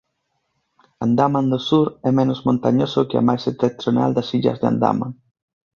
Andaman do Sur é menos montañoso que a máis setentrional das illas de Andaman.